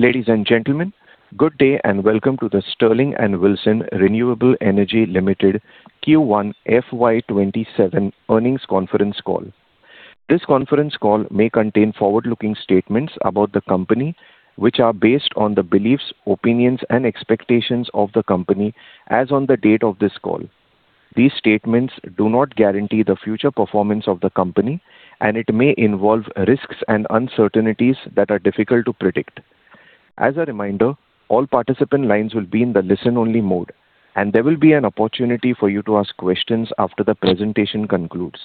Ladies and gentlemen, good day. Welcome to the Sterling and Wilson Renewable Energy Limited Q1 FY 2027 earnings conference call. This conference call may contain forward-looking statements about the company, which are based on the beliefs, opinions, and expectations of the company as on the date of this call. These statements do not guarantee the future performance of the company. It may involve risks and uncertainties that are difficult to predict. As a reminder, all participant lines will be in the listen-only mode. There will be an opportunity for you to ask questions after the presentation concludes.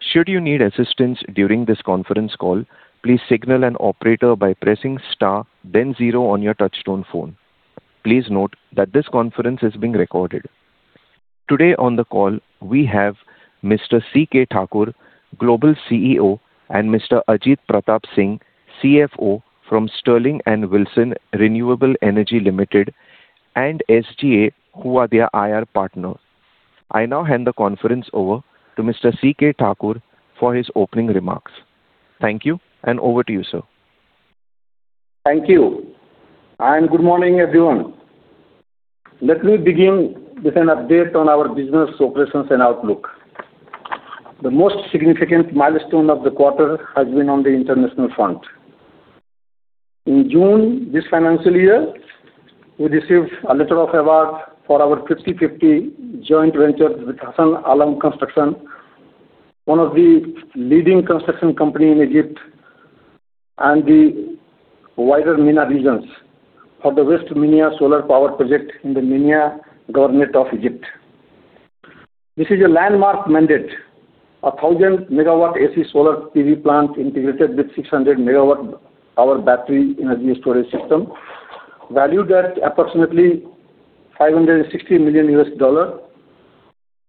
Should you need assistance during this conference call, please signal an operator by pressing star then zero on your touchtone phone. Please note that this conference is being recorded. Today on the call, we have Mr. C.K. Thakur, Global CEO, and Mr. Ajit Pratap Singh, CFO from Sterling and Wilson Renewable Energy Limited and SGA, who are their IR partner. I now hand the conference over to Mr. C.K. Thakur for his opening remarks. Thank you. Over to you, sir. Thank you. Good morning, everyone. Let me begin with an update on our business operations and outlook. The most significant milestone of the quarter has been on the international front. In June this financial year, we received a letter of award for our 50/50 joint venture with Hassan Allam Construction, one of the leading construction company in Egypt and the wider MENA regions, for the West Minya solar power project in the Minya governorate of Egypt. This is a landmark mandate, a 1,000 MW AC solar PV plant integrated with 600 MWh battery energy storage system, valued at approximately $560 million.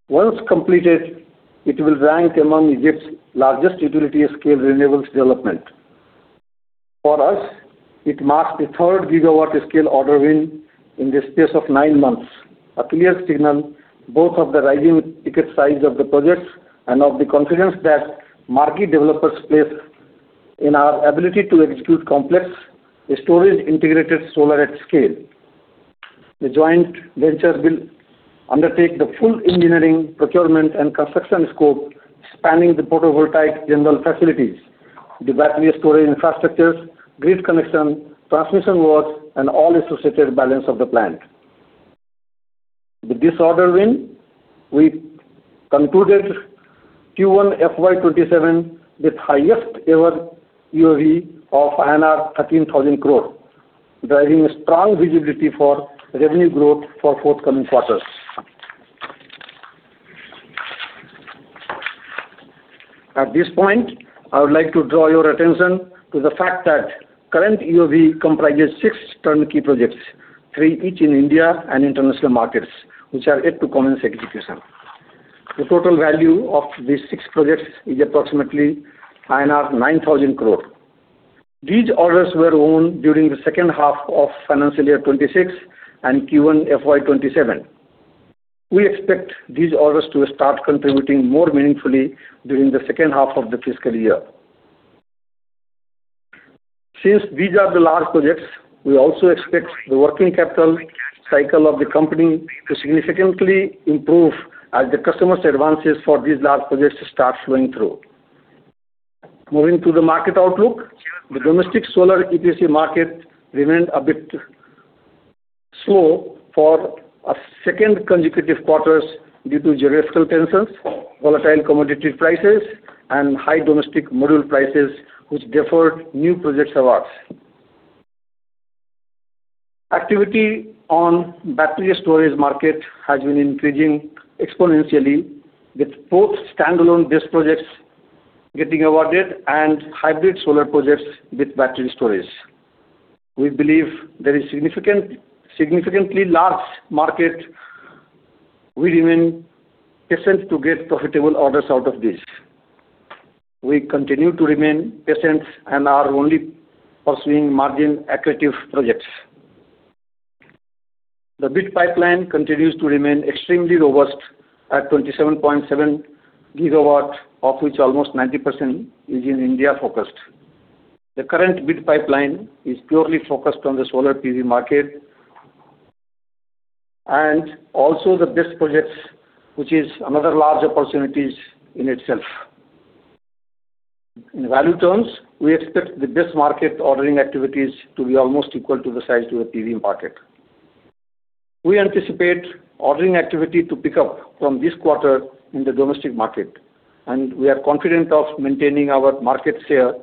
Once completed, it will rank among Egypt's largest utility-scale renewables development. For us, it marks the third gigawatt scale order win in the space of nine months, a clear signal both of the rising ticket size of the projects and of the confidence that marquee developers place in our ability to execute complex storage integrated solar at scale. The joint venture will undertake the full engineering, procurement, and construction scope, spanning the photovoltaic general facilities, the battery storage infrastructures, grid connection, transmission works, and all associated balance of the plant. With this order win, we concluded Q1 FY 2027 with highest ever UOV of INR 13,000 crore, driving a strong visibility for revenue growth for forthcoming quarters. At this point, I would like to draw your attention to the fact that current UOV comprises six turnkey projects, three each in India and international markets, which are yet to commence execution. The total value of these six projects is approximately INR 9,000 crore. These orders were won during the second half of FY 2026 and Q1 FY 2027. We expect these orders to start contributing more meaningfully during the second half of the fiscal year. Since these are the large projects, we also expect the working capital cycle of the company to significantly improve as the customers' advances for these large projects start flowing through. Moving to the market outlook. The domestic solar EPC market remained a bit slow for a second consecutive quarter due to geopolitical tensions, volatile commodity prices, and high domestic module prices, which deferred new project awards. Activity on battery storage market has been increasing exponentially, with both standalone BESS projects getting awarded and hybrid solar projects with battery storage. We believe there is significantly large market. We remain patient to get profitable orders out of this. We continue to remain patient and are only pursuing margin accretive projects. The bid pipeline continues to remain extremely robust at 27.7 GW, of which almost 90% is India-focused. The current bid pipeline is purely focused on the solar PV market and also the BESS projects, which is another large opportunity in itself. In value terms, we expect the BESS market ordering activities to be almost equal to the size of the PV market. We anticipate ordering activity to pick up from this quarter in the domestic market, and we are confident of maintaining our market share,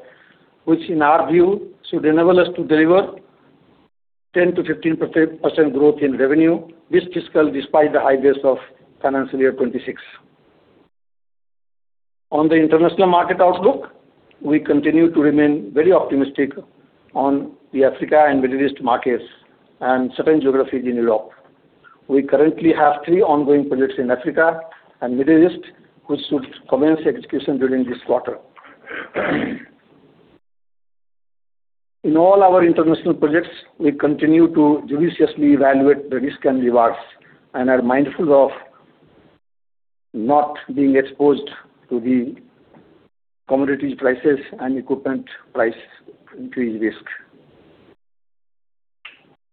which in our view should enable us to deliver 10%-15% growth in revenue this fiscal, despite the high base of FY 2026. On the international market outlook, we continue to remain very optimistic on the Africa and Middle East markets and certain geographies in Europe. We currently have three ongoing projects in Africa and Middle East, which should commence execution during this quarter. In all our international projects, we continue to judiciously evaluate the risks and rewards and are mindful of not being exposed to the commodity prices and equipment price increase risk.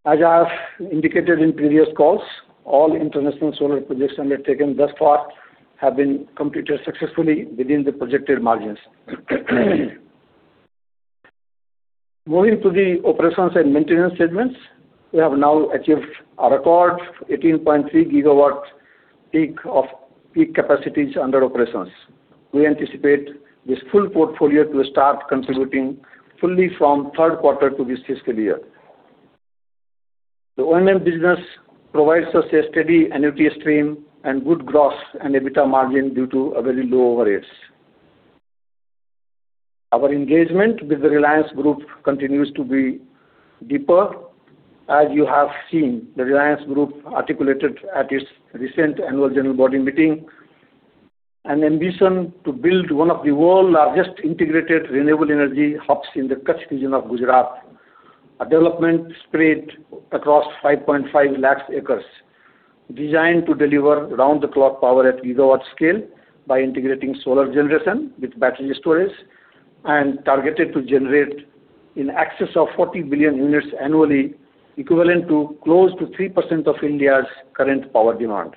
As I have indicated in previous calls, all international solar projects undertaken thus far have been completed successfully within the projected margins. Moving to the operations and maintenance segment, we have now achieved a record 18.3 GW peak of capacities under operations. We anticipate this full portfolio to start contributing fully from the third quarter to this fiscal year. The O&M business provides us a steady annuity stream and good gross and EBITDA margins due to very low overheads. Our engagement with the Reliance Group continues to be deeper. As you have seen, the Reliance Group articulated at its recent annual general body meeting, an ambition to build one of the world's largest integrated renewable energy hubs in the Kutch region of Gujarat. A development spread across 5.5 lakh acres, designed to deliver round-the-clock power at the gigawatt scale by integrating solar generation with battery storage, and targeted to generate in excess of 40 billion units annually, equivalent to close to 3% of India's current power demand.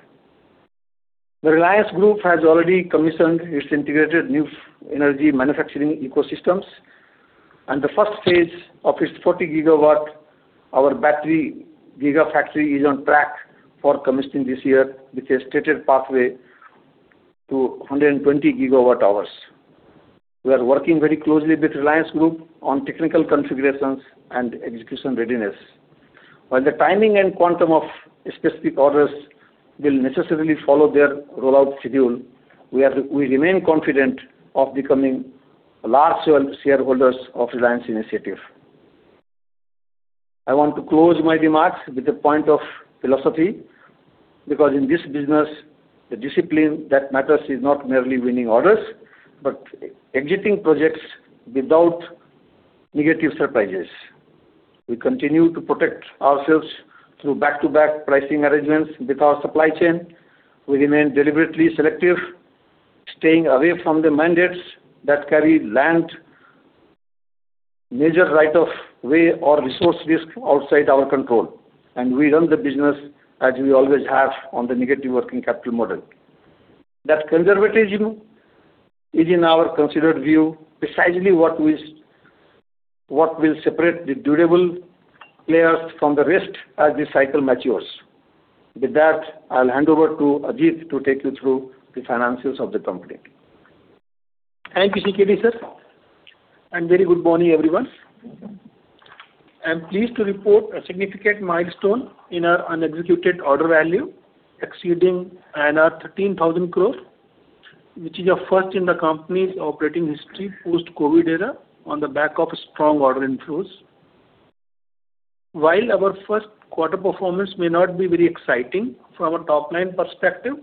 The Reliance Group has already commissioned its integrated new energy manufacturing ecosystems, and the first phase of its 40 GWh battery gigafactory is on track for commissioning this year with a stated pathway to 120 GWh. We are working very closely with Reliance Group on technical configurations and execution readiness. While the timing and quantum of specific orders will necessarily follow their rollout schedule, we remain confident of becoming large shareholders of Reliance's initiative. I want to close my remarks with a point of philosophy, because in this business, the discipline that matters is not merely winning orders, but exiting projects without negative surprises. We continue to protect ourselves through back-to-back pricing arrangements with our supply chain. We remain deliberately selective, staying away from the mandates that carry land, major right of way, or resource risk outside our control, and we run the business as we always have on the negative working capital model. That conservatism is, in our considered view, precisely what will separate the durable players from the rest as this cycle matures. With that, I'll hand over to Ajit to take you through the financials of the company. Thank you, C.K.T., sir, and very good morning, everyone. I'm pleased to report a significant milestone in our unexecuted order value, exceeding 13,000 crore, which is a first in the company's operating history post-COVID era on the back of strong order inflows. While our first quarter performance may not be very exciting from a top-line perspective,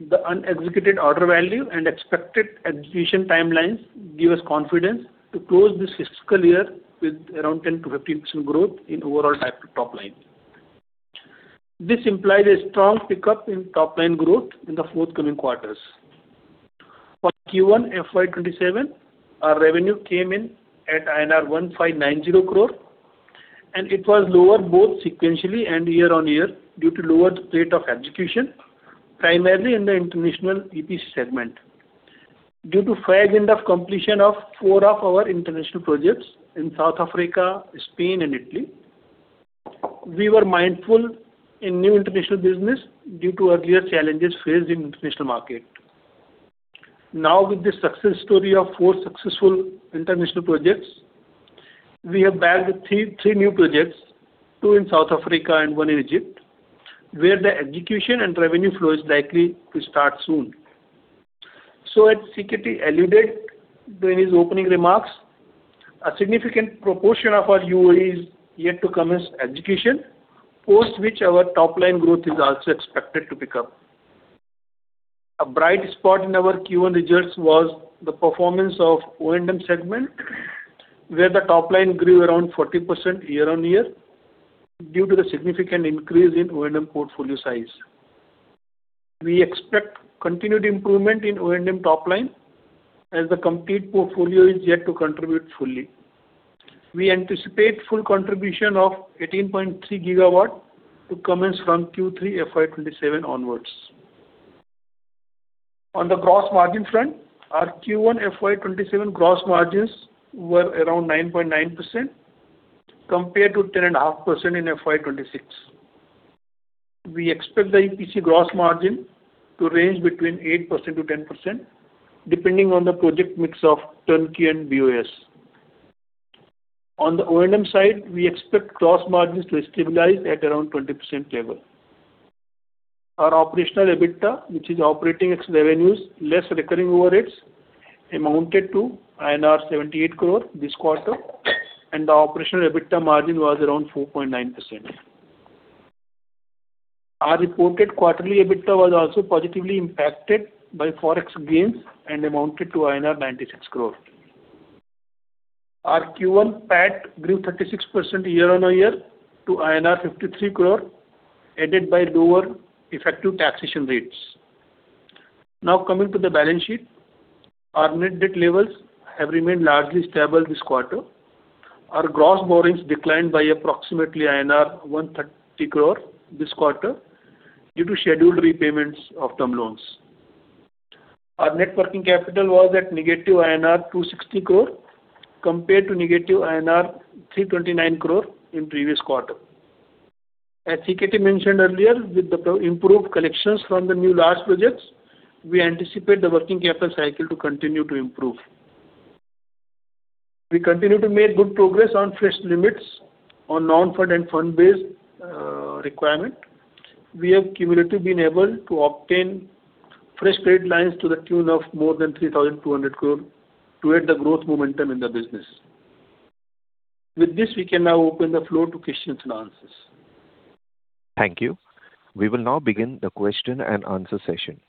the unexecuted order value and expected execution timelines give us confidence to close this fiscal year with around 10%-15% growth in overall top line. This implies a strong pickup in top-line growth in the forthcoming quarters. For Q1 FY 2027, our revenue came in at INR 1,590 crore, it was lower both sequentially and year-on-year due to lower rate of execution, primarily in the international EPC segment. Due to the phased completion of four of our international projects in South Africa, Spain, and Italy, we were mindful in new international business due to earlier challenges faced in the international market. With the success story of four successful international projects, we have bagged three new projects, two in South Africa and one in Egypt, where the execution and revenue flow is likely to start soon. As C.K.T. alluded during his opening remarks, a significant proportion of our UOV is yet to commence execution, post which our top-line growth is also expected to pick up. A bright spot in our Q1 results was the performance of O&M segment, where the top line grew around 40% year-on-year due to the significant increase in O&M portfolio size. We expect continued improvement in O&M top line as the complete portfolio is yet to contribute fully. We anticipate full contribution of 18.3 GW to commence from Q3 FY 2027 onwards. On the gross margin front, our Q1 FY 2027 gross margins were around 9.9% compared to 10.5% in FY 2026. We expect the EPC gross margin to range between 8%-10%, depending on the project mix of turnkey and BoS. On the O&M side, we expect gross margins to stabilize at around 20% level. Our operational EBITDA, which is operating revenues less recurring overheads, amounted to INR 78 crore this quarter, and the operational EBITDA margin was around 4.9%. Our reported quarterly EBITDA was also positively impacted by Forex gains and amounted to INR 96 crore. Our Q1 PAT grew 36% year-on-year to INR 53 crore, aided by lower effective taxation rates. Coming to the balance sheet. Our net debt levels have remained largely stable this quarter. Our gross borrowings declined by approximately INR 130 crore this quarter due to scheduled repayments of term loans. Our net working capital was at INR -260 crore compared to INR -329 crore in previous quarter. As C.K.T. mentioned earlier, with the improved collections from the new large projects, we anticipate the working capital cycle to continue to improve. We continue to make good progress on fresh limits on non-fund and fund base requirement. We have cumulatively been able to obtain fresh credit lines to the tune of more than 3,200 crore to aid the growth momentum in the business. With this, we can now open the floor to questions and answers. Thank you. We will now begin the question-and-answer session.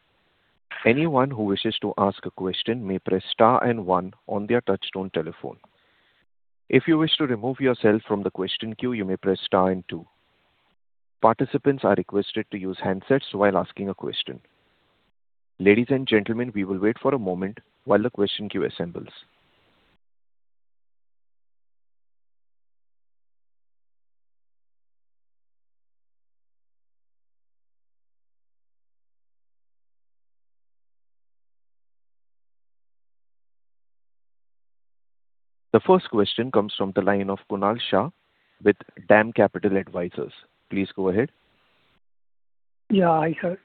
Anyone who wishes to ask a question may press star and one on their touchtone telephone. If you wish to remove yourself from the question queue, you may press star and two. Participants are requested to use handsets while asking a question. Ladies and gentlemen, we will wait for a moment while the question queue assembles. The first question comes from the line of Kunal Shah with DAM Capital Advisors. Please go ahead. Yeah. Hi, sir.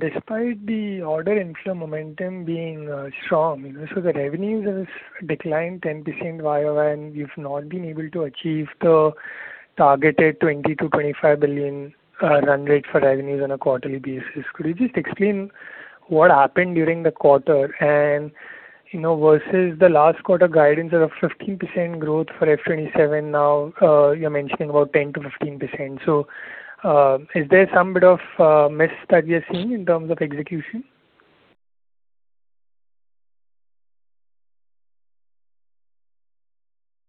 Despite the order inflow momentum being strong, the revenues has declined 10% year-over-year, and you've not been able to achieve the targeted 20 billion-25 billion run rate for revenues on a quarterly basis. Could you just explain what happened during the quarter and versus the last quarter guidance of 15% growth for FY 2027, you're mentioning about 10%-15%. Is there some bit of miss that we are seeing in terms of execution?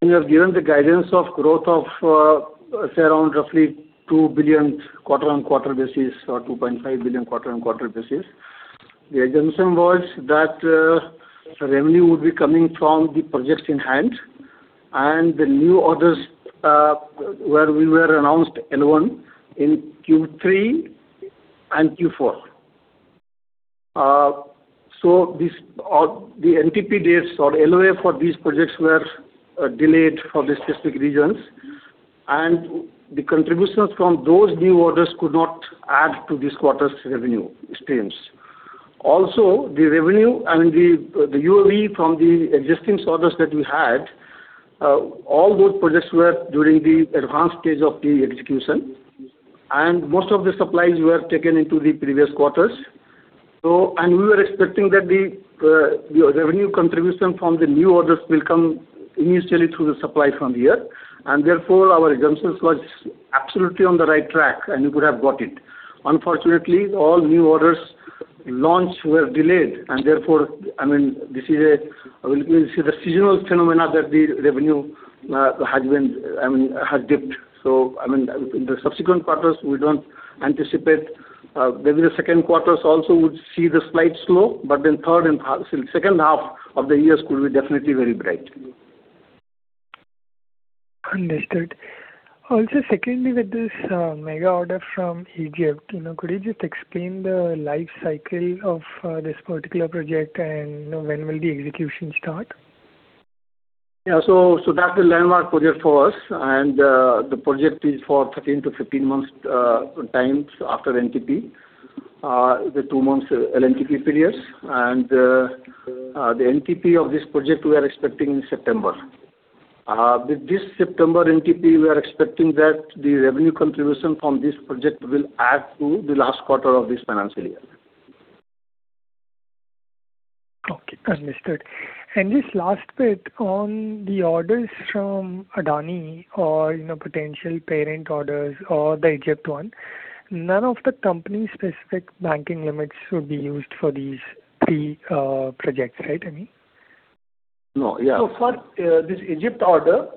We have given the guidance of growth of, say, around roughly 2 billion quarter-on-quarter basis or 2.5 billion quarter-on-quarter basis. The assumption was that revenue would be coming from the projects in hand and the new orders where we were announced L1 in Q3 and Q4. The NTP dates or LOA for these projects were delayed for the specific reasons, the contributions from those new orders could not add to this quarter's revenue streams. The revenue and the UOV from the existing orders that we had, all those projects were during the advanced stage of the execution. Most of the supplies were taken into the previous quarters. We were expecting that the revenue contribution from the new orders will come initially through the supply from here, and therefore our assumptions was absolutely on the right track, and we could have got it. Unfortunately, all new orders launch were delayed, and therefore, this is a seasonal phenomena that the revenue has dipped. In the subsequent quarters, we don't anticipate. Maybe the second quarters also would see the slight slow, third and second half of the years could be definitely very bright. Understood. Secondly, with this mega order from Egypt, could you just explain the life cycle of this particular project and when will the execution start? Yeah. That's a landmark project for us, and the project is for 13-15 months times after NTP. The two months LNTP periods and the NTP of this project we are expecting in September. With this September NTP, we are expecting that the revenue contribution from this project will add to the last quarter of this financial year. Okay, understood. This last bit on the orders from Adani or potential parent orders or the Egypt one, none of the company's specific banking limits would be used for these three projects, right? I mean. No. Yeah. For this Egypt order,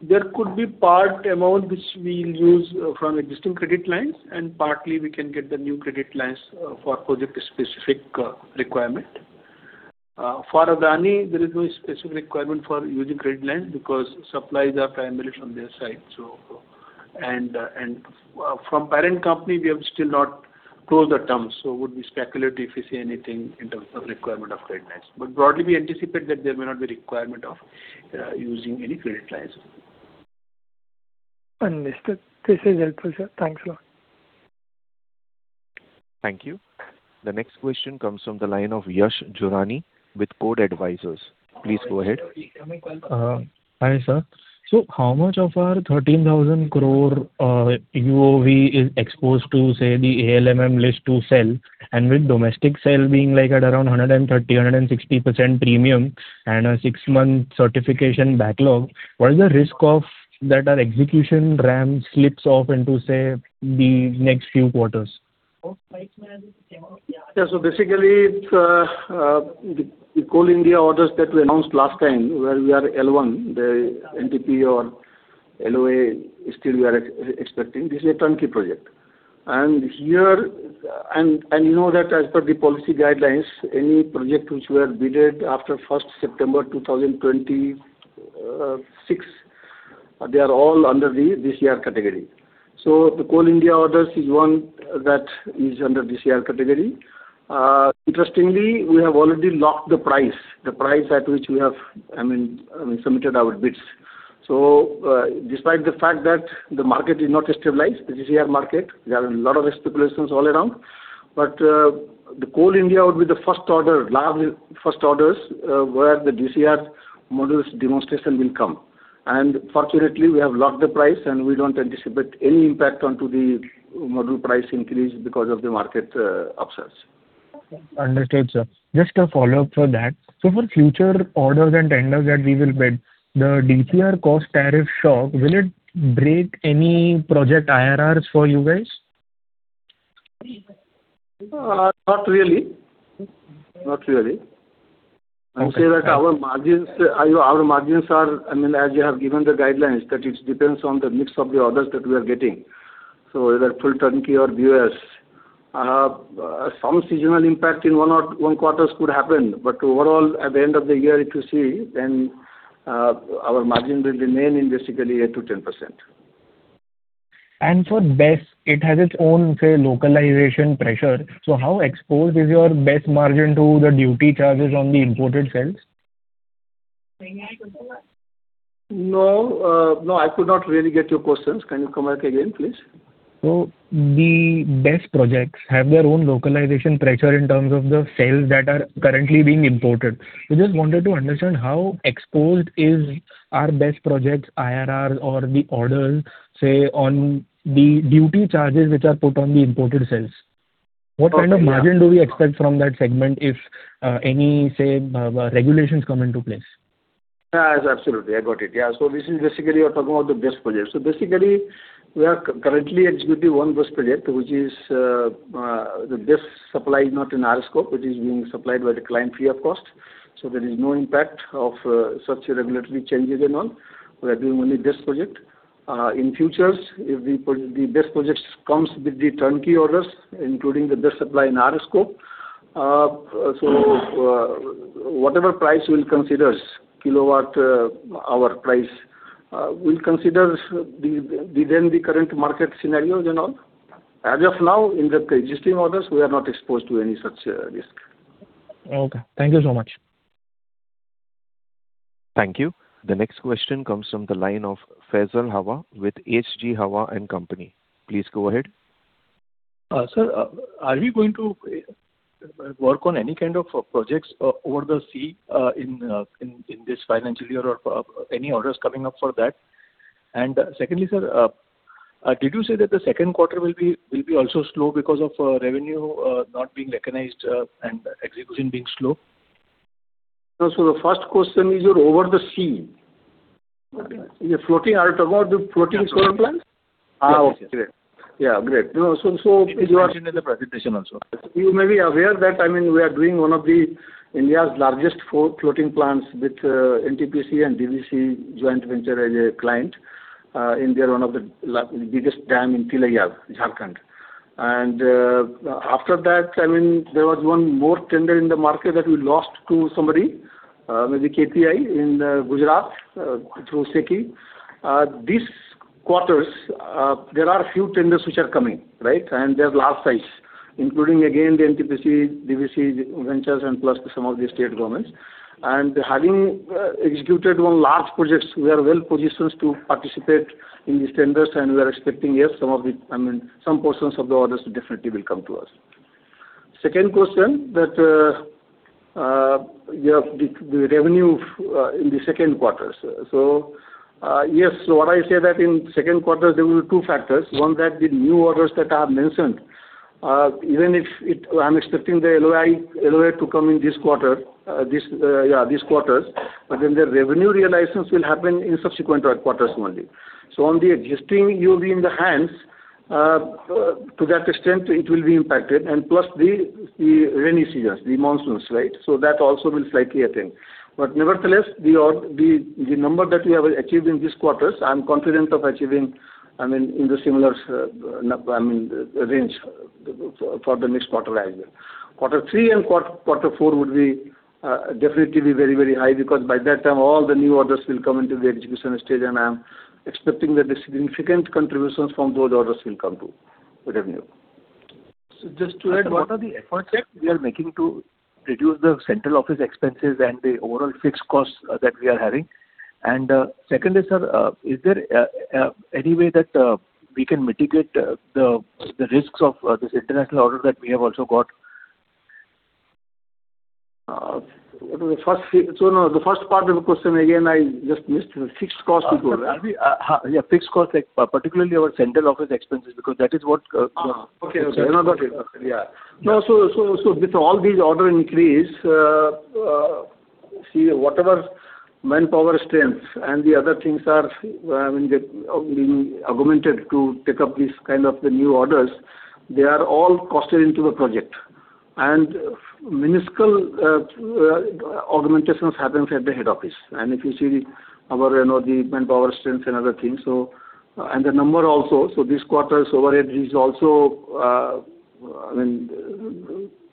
there could be part amount which we will use from existing credit lines, and partly we can get the new credit lines for project specific requirement. For Adani, there is no specific requirement for using credit line because supplies are primarily from their side. From parent company, we have still not closed the terms, would be speculative to say anything in terms of requirement of credit lines. Broadly, we anticipate that there may not be requirement of using any credit lines. Understood. This is helpful, sir. Thanks a lot. Thank you. The next question comes from the line of Yash Jurani with Code Advisors. Please go ahead. Hi, sir. How much of our 13,000 crore UOV is exposed to, say, the ALMM list to sell? With domestic sale being at around 130%, 160% premium and a six-month certification backlog, what is the risk of that our execution ramp slips off into, say, the next few quarters? Yes. Basically, the Coal India orders that we announced last time, where we are L1, the NTP or LOA still we are expecting. This is a turnkey project. You know that as per the policy guidelines, any project which were bidded after September 1st, 2026, they are all under the DCR category. The Coal India order is one that is under DCR category. Interestingly, we have already locked the price, the price at which we have submitted our bids. Despite the fact that the market is not stabilized, the DCR market, there are a lot of speculations all around. The Coal India would be the first order, large first orders, where the DCR models demonstration will come. Fortunately, we have locked the price, and we don't anticipate any impact onto the module price increase because of the market upsides. Understood, sir. Just a follow-up for that. For future orders and tenders that we will bid, the DCR cost tariff shock, will it break any project IRRs for you guys? Not really. I say that our margins are, as you have given the guidelines, that it depends on the mix of the orders that we are getting. Whether full turnkey or BoS. Some seasonal impact in one quarters could happen, but overall, at the end of the year, if you see, then our margin will remain in basically 8%-10%. For BESS, it has its own, say, localization pressure. How exposed is your BESS margin to the duty charges on the imported cells? I could not really get your questions. Can you come back again, please? The BESS projects have their own localization pressure in terms of the cells that are currently being imported. We just wanted to understand how exposed is our BESS projects' IRRs or the orders, say, on the duty charges which are put on the imported cells. What kind of margin do we expect from that segment if any, say, regulations come into place? Yes, absolutely. I got it. This is basically you're talking about the BESS project. Basically, we are currently executing one BESS project, which is the BESS supply is not in our scope. It is being supplied by the client free of cost. There is no impact of such regulatory changes and all. We are doing only this project. In future, if the BESS projects comes with the turnkey orders, including the BESS supply in our scope. Whatever price we'll consider, kilowatt-hour price, we'll consider within the current market scenarios and all. As of now, in the existing orders, we are not exposed to any such risk. Okay. Thank you so much. Thank you. The next question comes from the line of Faisal Hawa with H.G. Hawa & Company. Please go ahead. Sir, are we going to work on any kind of projects over the sea in this financial year, or any orders coming up for that? Secondly, sir, did you say that the second quarter will be also slow because of revenue not being recognized and execution being slow? The first question is your over the sea. Are you talking about the floating solar plants? Yes. Okay. Great. It was mentioned in the presentation also. You may be aware that we are doing one of India's largest four floating plants with NTPC and DVC joint venture as a client. They are one of the biggest dam in Tilaiya, Jharkhand. After that, there was one more tender in the market that we lost to somebody, maybe KPI in Gujarat through SECI. These quarters, there are a few tenders which are coming. They're large size, including again, the NTPC, DVC ventures, and plus some of the state governments. Having executed one large projects, we are well-positioned to participate in these tenders, and we are expecting, yes, some portions of the orders definitely will come to us. Second question, the revenue in the second quarters. Yes, what I say that in second quarters, there will be two factors. One that the new orders that I have mentioned, even if I'm expecting the LOI, LOA to come in this quarters, the revenue realization will happen in subsequent quarters only. On the existing UOV in the hands, to that extent, it will be impacted, and plus the rainy seasons, the monsoons. That also will slightly affect. Nevertheless, the number that we have achieved in this quarters, I'm confident of achieving in the similar range for the next quarter as well. Quarter three and quarter four would be definitely very high because by that time, all the new orders will come into the execution stage, and I am expecting that the significant contributions from those orders will come to the revenue. Just to add, what are the efforts that we are making to reduce the central office expenses and the overall fixed costs that we are having? Second is, sir, is there any way that we can mitigate the risks of this international order that we have also got? The first part of the question again, I just missed. The fixed cost you told? Yes. Fixed cost, particularly our central office expenses, because that is what- Okay. I got it. With all these order increase See, whatever manpower strength and the other things are being augmented to take up these kind of new orders, they are all costed into the project. Minuscule augmentations happens at the head office. If you see our manpower strength and other things, and the number also. This quarter's overhead is also less than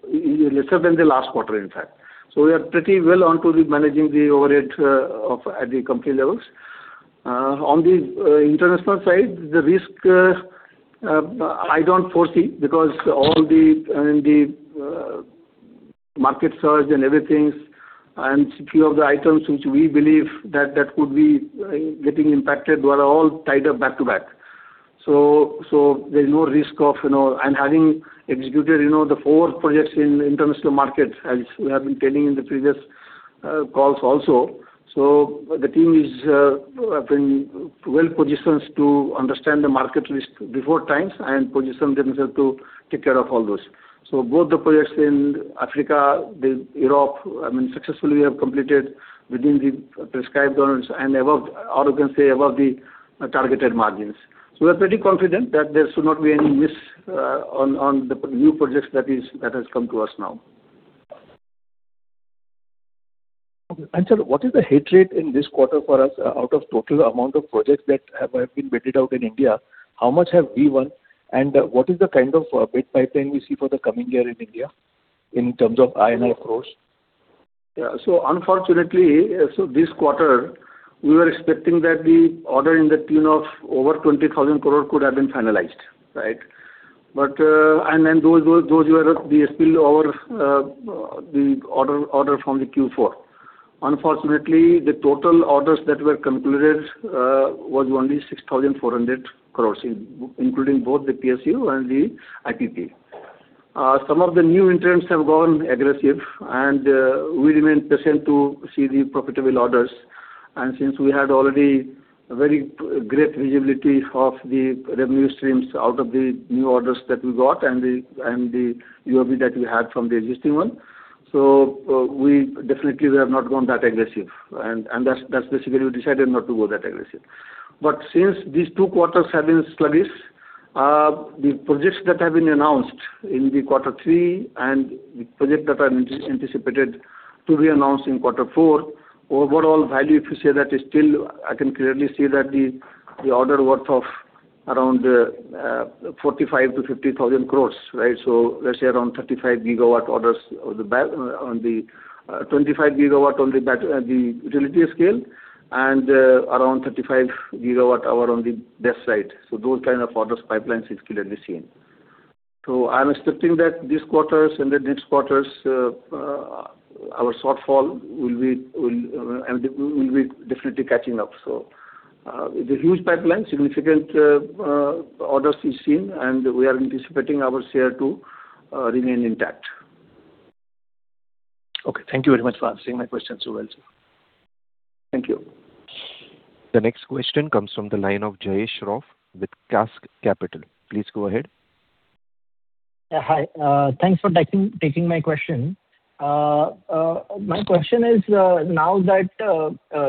the last quarter, in fact. We are pretty well on to managing the overhead at the company levels. On the international side, the risk, I don't foresee, because all the market surge and everything, and few of the items which we believe that could be getting impacted were all tied up back to back. There's no risk. Having executed the four projects in international markets, as we have been telling in the previous calls also. The team is well-positioned to understand the market risk before times and position themselves to take care of all those. Both the projects in Africa, then Europe, successfully we have completed within the prescribed terms and or we can say above the targeted margins. We're pretty confident that there should not be any risk on the new projects that has come to us now. Okay. Sir, what is the hit rate in this quarter for us out of total amount of projects that have been vetted out in India, how much have we won, and what is the kind of bid pipeline we see for the coming year in India in terms of INR crore? Yeah. Unfortunately, this quarter, we were expecting that the order in the tune of over 20,000 crore could have been finalized. Those were the spill order from the Q4. Unfortunately, the total orders that were concluded was only 6,400 crore, including both the PSU and the IPP. Some of the new entrants have gone aggressive, and we remain patient to see the profitable orders. Since we had already very great visibility of the revenue streams out of the new orders that we got and the UOV that we had from the existing one. Definitely we have not gone that aggressive, and that's basically we decided not to go that aggressive. Since these two quarters have been sluggish, the projects that have been announced in the quarter three and the project that are anticipated to be announced in quarter four, overall value, if you say that, still I can clearly see that the order worth of around 45,000 crore-50,000 crore. Let's say around 35 GW orders on the 25 GW on the utility scale and around 35 GWh on the BESS side. Those kind of orders pipelines is clearly seen. I'm expecting that this quarter and next quarters, our shortfall will be definitely catching up. The huge pipeline, significant orders is seen, and we are anticipating our share to remain intact. Okay. Thank you very much for answering my question so well, sir. Thank you. The next question comes from the line of Jayesh Shroff with Cask Capital. Please go ahead. Hi. Thanks for taking my question. My question is, now that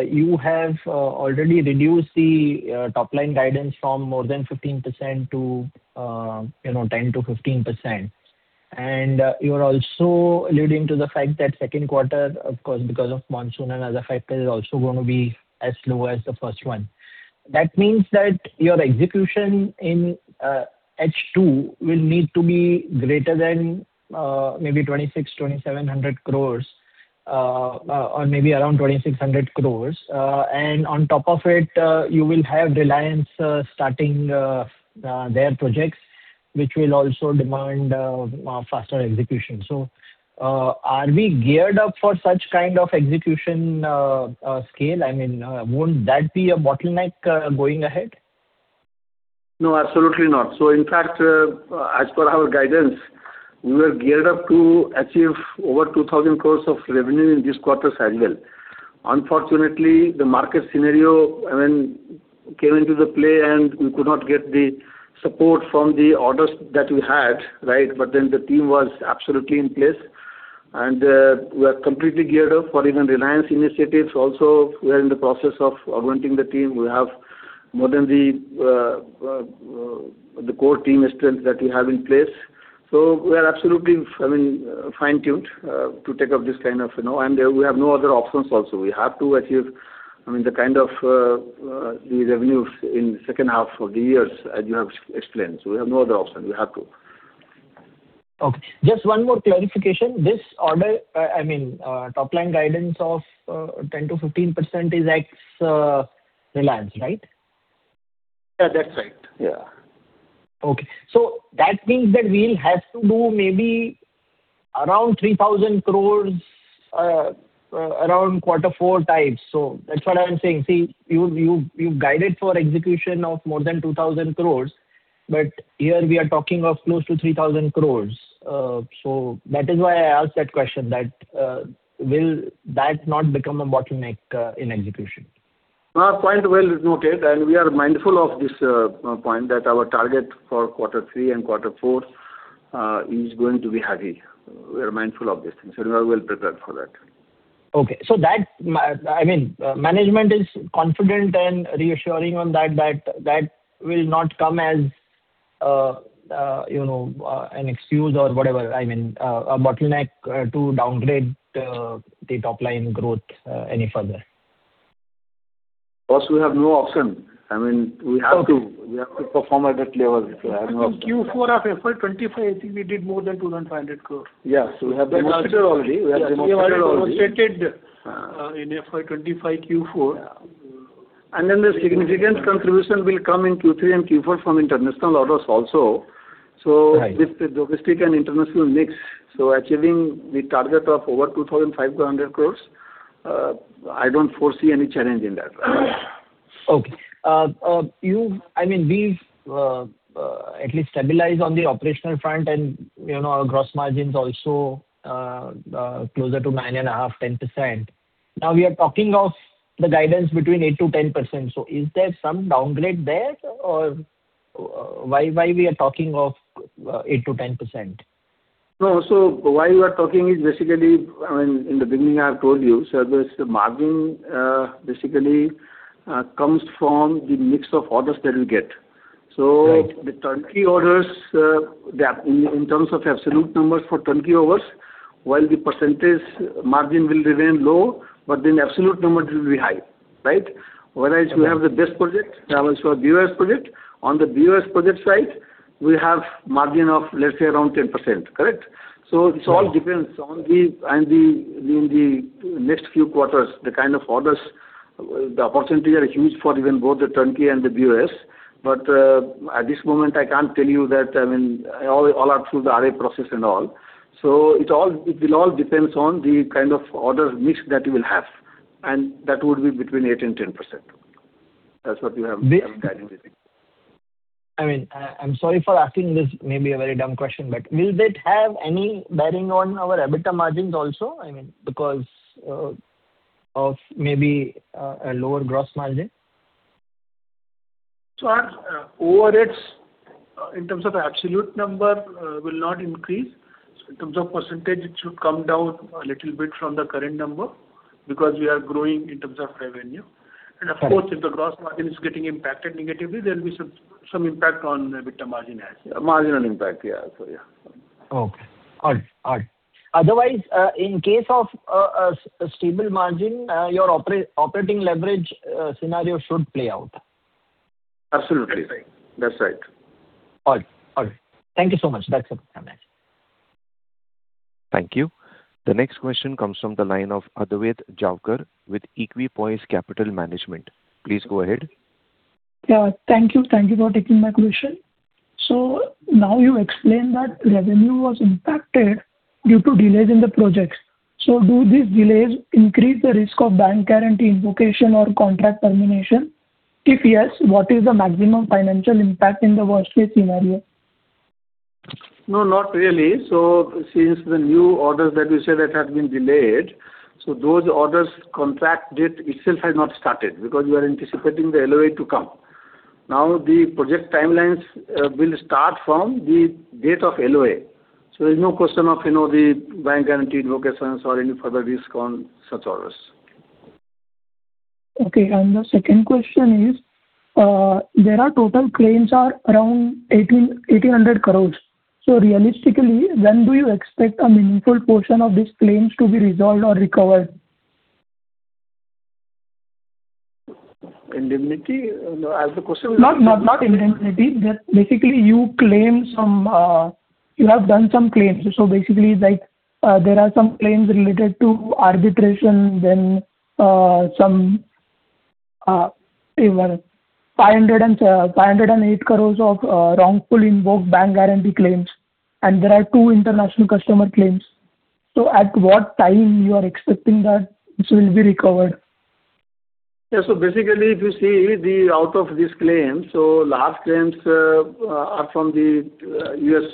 you have already reduced the top-line guidance from more than 15% to-- 10%-15%, you are also alluding to the fact that second quarter, of course, because of monsoon and other factors, is also going to be as slow as the first one. That means that your execution in H2 will need to be greater than maybe 2,600 crore-2,700 crore, or maybe around 2,600 crore. On top of it, you will have Reliance starting their projects, which will also demand faster execution. Are we geared up for such kind of execution scale? Won't that be a bottleneck going ahead? No, absolutely not. In fact, as per our guidance, we were geared up to achieve over 2,000 crore of revenue in this quarter as well. Unfortunately, the market scenario came into the play, we could not get the support from the orders that we had. The team was absolutely in place, we are completely geared up for even Reliance initiatives also. We are in the process of augmenting the team. We have more than the core team strength that we have in place. We are absolutely fine-tuned to take up this kind of. We have no other options also. We have to achieve the kind of the revenues in the second half of the years as you have explained. We have no other option. We have to. Okay. Just one more clarification. This top-line guidance of 10%-15% is ex Reliance, right? Yeah, that's right. Yeah. Okay. That means that we'll have to do maybe around 3,000 crore around quarter four time. That's what I'm saying. See, you guided for execution of more than 2,000 crore, here we are talking of close to 3,000 crore. That is why I asked that question, that will that not become a bottleneck in execution? Point well noted, we are mindful of this point that our target for quarter three and quarter four is going to be heavy. We are mindful of this and we're well prepared for that. Okay. Management is confident and reassuring on that will not come as an excuse or whatever, a bottleneck to downgrade the top-line growth any further. We have no option. We have no option. In Q4 of FY 2025, I think we did more than 2,500 crore. Yes. We have demonstrated already. You have demonstrated in FY 2025 Q4. The significant contribution will come in Q3 and Q4 from international orders also. Right. With the domestic and international mix, achieving the target of over 2,500 crore, I don't foresee any challenge in that. Okay. We've at least stabilized on the operational front and our gross margins also closer to 9.5%-10%. Now we are talking of the guidance between 8%-10%. Is there some downgrade there, or why we are talking of 8%-10%? No. Why we are talking is basically, in the beginning, I've told you, service margin basically comes from the mix of orders that you get. Right. The turnkey orders, in terms of absolute numbers for turnkey orders, while the percentage margin will remain low, absolute numbers will be high. Right? Whereas you have the BoS project, that was for BoS project. On the BoS project side, we have margin of, let's say, around 10%. Correct? It all depends. In the next few quarters, the kind of orders, the opportunities are huge for even both the turnkey and the BoS. At this moment, I can't tell you that. All are through the RA process and all. It will all depend on the kind of order mix that you will have, and that would be between 8% and 10%. That's what we have guided with it. I'm sorry for asking this, maybe a very dumb question, will that have any bearing on our EBITDA margins also? Because of maybe a lower gross margin. Our overheads, in terms of absolute number, will not increase. In terms of percentage, it should come down a little bit from the current number, because we are growing in terms of revenue. Of course, if the gross margin is getting impacted negatively, there will be some impact on EBITDA margin as well. Marginal impact. Yeah. Okay. All right. Otherwise, in case of a stable margin, your operating leverage scenario should play out. Absolutely right. That's right. All right. Thank you so much. That's it from my end. Thank you. The next question comes from the line of Adwait Javkar with EquiPoise Capital Management. Please go ahead. Thank you. Thank you for taking my question. Now you explained that revenue was impacted due to delays in the projects. Do these delays increase the risk of bank guarantee invocation or contract termination? If yes, what is the maximum financial impact in the worst-case scenario? No, not really. Since the new orders that you say that have been delayed, so those orders contract date itself has not started because you are anticipating the LOA to come. The project timelines will start from the date of LOA. There's no question of the bank guarantee invocations or any further risk on such orders. Okay. The second question is, there are total claims are around 1,800 crore. Realistically, when do you expect a meaningful portion of these claims to be resolved or recovered? Indemnity? Ask the question again. Not indemnity. Just basically you have done some claims. Basically, there are some claims related to arbitration, then some 508 crore of wrongfully invoked bank guarantee claims, and there are two international customer claims. At what time you are expecting that this will be recovered? Yeah. Basically, if you see out of these claims, large claims are from the U.S.,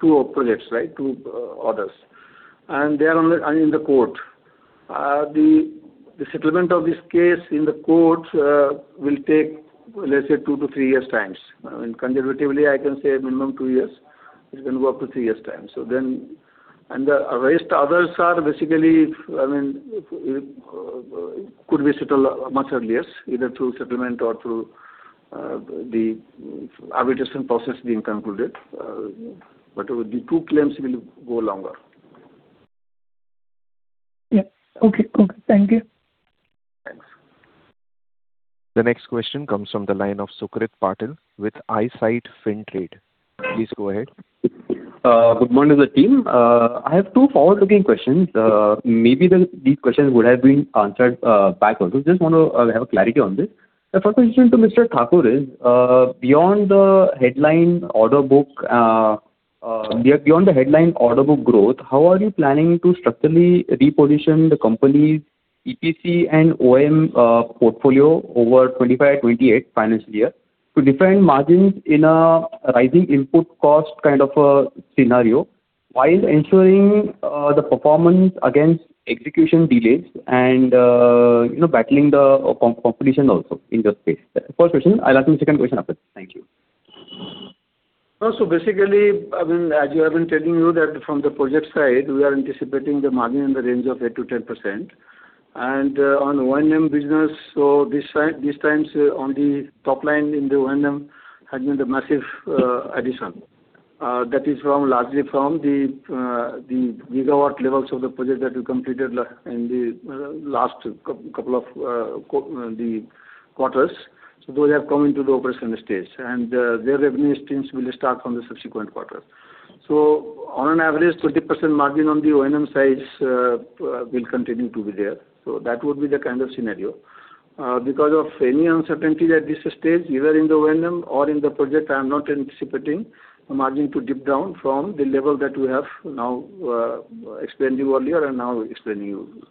two projects, two orders. They are in the court. The settlement of this case in the court will take, let's say, two to three years' time. Conservatively, I can say minimum two years. It can go up to three years' time. The rest others could be settled much earlier, either through settlement or through the arbitration process being concluded. The two claims will go longer. Yeah. Okay. Thank you. Thanks. The next question comes from the line of Sukrit Patel with Eyesight Fintrade. Please go ahead. Good morning to the team. I have two forward-looking questions. Maybe these questions would have been answered back also. Just want to have clarity on this. The first question to Mr. Thakur is, beyond the headline order book growth, how are you planning to structurally reposition the company's EPC and O&M portfolio over 2025-2028 financial year to defend margins in a rising input cost kind of a scenario? While ensuring the performance against execution delays and battling the competition also in the space. First question. I'll ask you a second question after. Thank you. Basically, as we have been telling you that from the project side, we are anticipating the margin in the range of 8%-10%. On O&M business, these times on the top line in the O&M has been the massive addition. That is largely from the gigawatt levels of the project that we completed in the last couple of quarters. Those have come into the operational stage, and their revenue streams will start from the subsequent quarter. On an average, 30% margin on the O&M side will continue to be there. That would be the kind of scenario. Because of any uncertainty at this stage, either in the O&M or in the project, I'm not anticipating the margin to dip down from the level that we have now explained to you earlier and now explaining you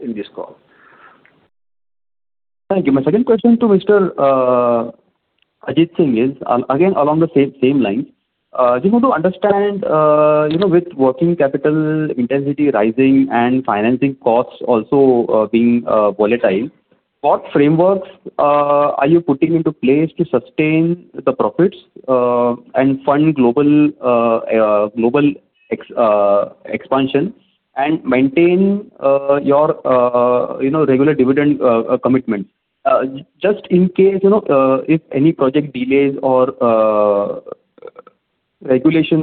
in this call. Thank you. My second question to Mr. Ajit Singh is, again, along the same lines. Just want to understand, with working capital intensity rising and financing costs also being volatile, what frameworks are you putting into place to sustain the profits and fund global expansion and maintain your regular dividend commitment? Just in case if any project delays or regulation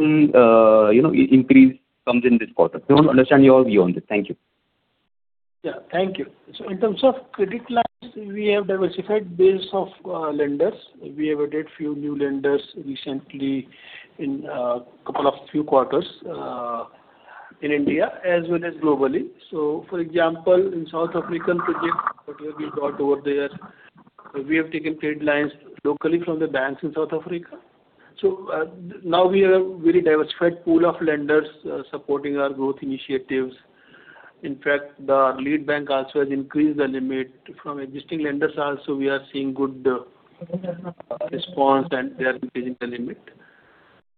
increase comes in this quarter. We want to understand your view on this. Thank you. Thank you. In terms of credit lines, we have diversified base of lenders. We have added few new lenders recently in couple of few quarters in India as well as globally. For example, in South African project, whatever we got over there, we have taken trade lines locally from the banks in South Africa. Now we have very diversified pool of lenders supporting our growth initiatives. In fact, the lead bank also has increased the limit. From existing lenders also, we are seeing good response, and they are increasing the limit.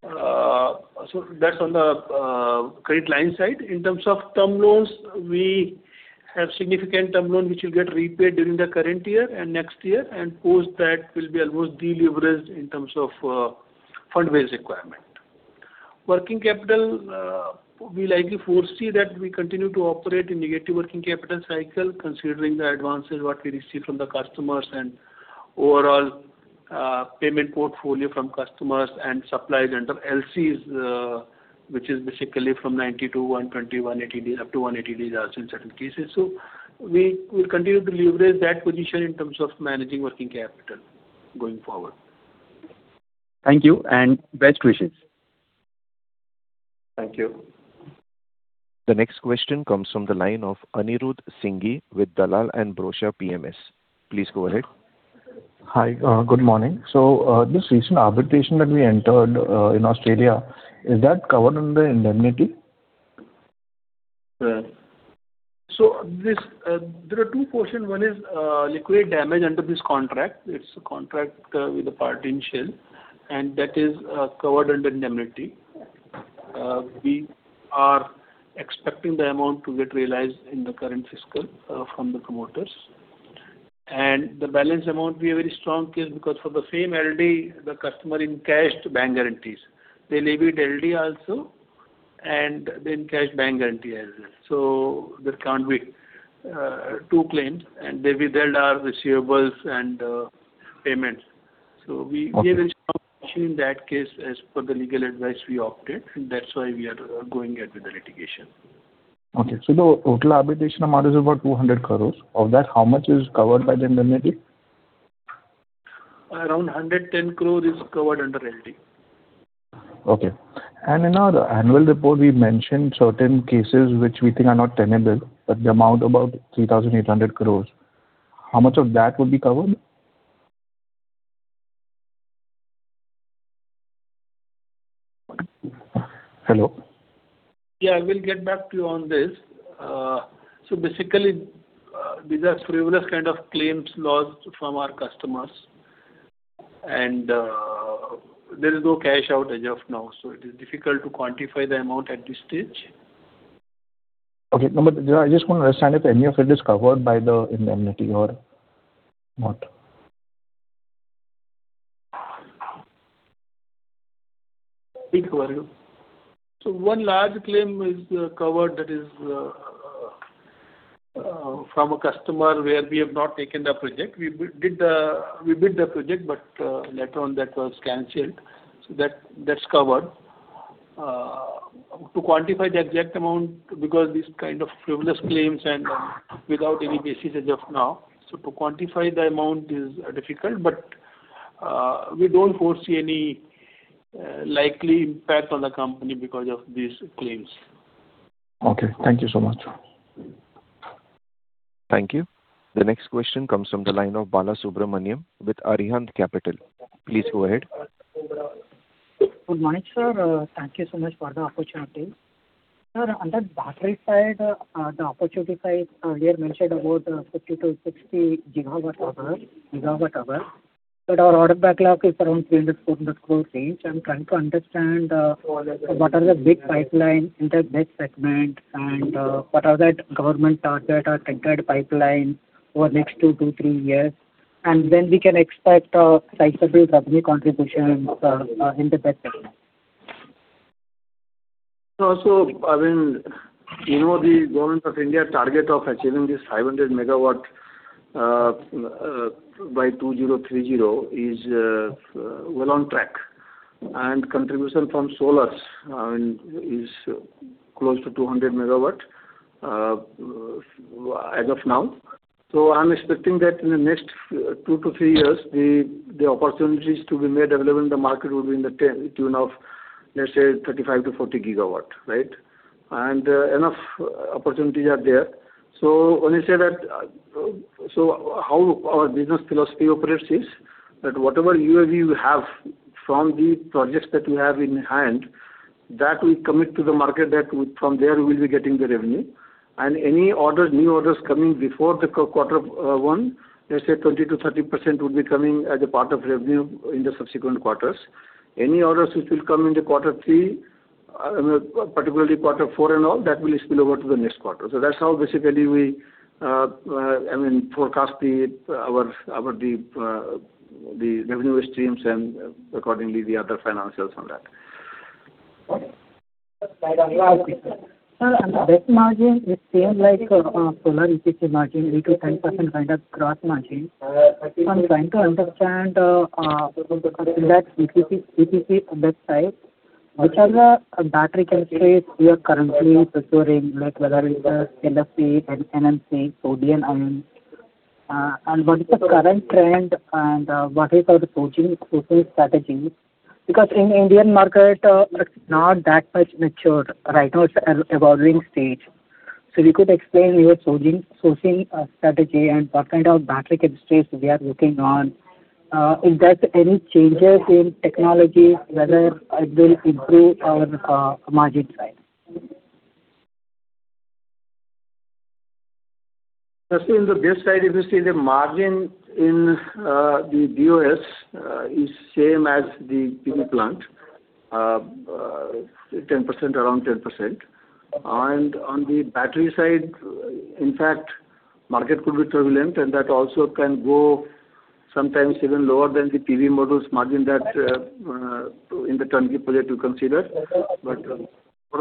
That's on the credit line side. In terms of term loans, we have significant term loan which will get repaid during the current year and next year, and post that will be almost de-leveraged in terms of fund raise requirement. Working capital, we likely foresee that we continue to operate in negative working capital cycle, considering the advances what we receive from the customers and overall payment portfolio from customers and suppliers under LCs which is basically from 90-120, 180 days, up to 180 days also in certain cases. We will continue to leverage that position in terms of managing working capital going forward. Thank you, and best wishes. Thank you. The next question comes from the line of Anirudh Singhi with Dalal & Broacha PMS. Please go ahead. Hi. Good morning. This recent arbitration that we entered in Australia, is that covered under indemnity? There are two portions. One is liquid damage under this contract. It's a contract with a party in Shell, and that is covered under indemnity. We are expecting the amount to get realized in the current fiscal from the promoters. The balance amount, we have very strong case because for the same LD, the customer encashed bank guarantees. They leave it LD also, and they encashed bank guarantee as well. There can't be two claims, and they withheld our receivables and payments. We gave a strong position in that case as per the legal advice we opted, and that's why we are going ahead with the litigation. Okay. The total arbitration amount is about 200 crore. Of that, how much is covered by the indemnity? Around 110 crore is covered under LD. Okay. In our annual report, we mentioned certain cases which we think are not tenable, but the amount 3,800 crore. How much of that would be covered? Hello? Yeah, we'll get back to you on this. Basically, these are frivolous kind of claims laws from our customers. There is no cash out as of now, so it is difficult to quantify the amount at this stage. Okay. I just want to understand if any of it is covered by the indemnity or not. Be covered. One large claim is covered that is from a customer where we have not taken the project. We bid the project, but later on that was canceled. That's covered. To quantify the exact amount, because these kind of frivolous claims and without any basis as of now, to quantify the amount is difficult, but we don't foresee any likely impact on the company because of these claims. Okay. Thank you so much. Thank you. The next question comes from the line of Balasubramanian with Arihant Capital. Please go ahead. Good morning, sir. Thank you so much for the opportunity. Sir, battery side, the opportunity side, we have mentioned about 50 GWh-60 GWh. Our order backlog is around 300, 400 range. I am trying to understand what are the big pipeline in that BESS segment, what are that government target or triggered pipeline over next two to three years, and when we can expect a sizable revenue contribution in the BESS segment. The Government of India target of achieving this 500 MW by 2030 is well on track. Contribution from solar is close to 200 MW as of now. I am expecting that in the next two to three years, the opportunities to be made available in the market will be in the tune of, let's say, 35 GW-40 GW, right? Enough opportunities are there. How our business philosophy operates is that whatever UOV you have from the projects that you have in hand, that we commit to the market, that from there we will be getting the revenue. Any new orders coming before the quarter one, let's say 20%-30% would be coming as a part of revenue in the subsequent quarters. Any orders which will come into quarter three, particularly quarter four and all, that will spill over to the next quarter. That's how basically we forecast the revenue streams and accordingly the other financials on that. Okay. Sir, on the BESS margin, it seems like solar EPC margin, 8%-10% kind of gross margin. I am trying to understand in that EPC BESS side, which are the battery chemistries we are currently procuring, like whether it is the LFP, NMC, sodium ion. What is the current trend and what is our sourcing strategy? Because in Indian market, it is not that much mature. Right now, it is an evolving stage. You could explain your sourcing strategy and what kind of battery chemistries we are working on. Is there any changes in technology, whether it will improve our margin side? In the BESS side, if you see the margin in the BoS is same as the PV plant, around 10%. On the battery side, in fact, market could be turbulent, and that also can go sometimes even lower than the PV module's margin that in the turnkey project you consider. More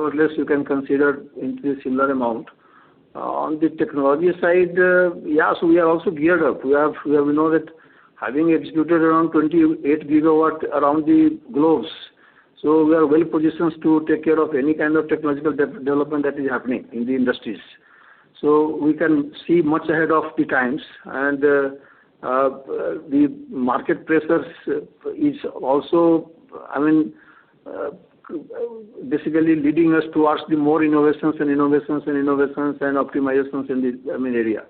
or less, you can consider into a similar amount. On the technology side, yes, we are also geared up. We know that having executed around 28 GW around the globes. We are well-positioned to take care of any kind of technological development that is happening in the industries. We can see much ahead of the times. The market pressures is also basically leading us towards the more innovations and optimizations in the area.